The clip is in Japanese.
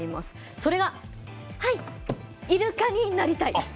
それが、イルカになりたい。